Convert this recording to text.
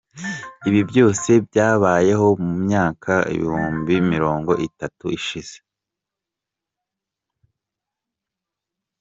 Ibi byose byabayeho mu myaka ibihumbi mirongo itatu ishize.